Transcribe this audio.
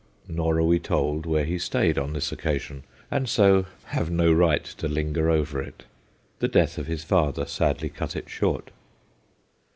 Nor are we told where he stayed on this occasion, and so have no right to linger over it. The death of his father sadly cut it short.